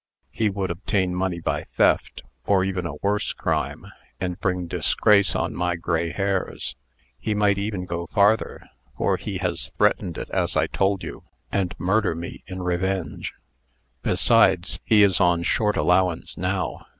He would obtain money by theft, or even a worse crime, and bring disgrace upon my gray hairs. He might go even farther for he has threatened it, as I told you and murder me in revenge. Besides, he is on short allowance now.